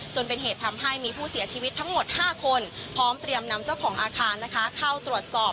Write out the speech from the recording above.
จนเป็นเหตุทำให้มีผู้เสียชีวิตทั้งหมด๕คนพร้อมเตรียมนำเจ้าของอาคารเข้าตรวจสอบ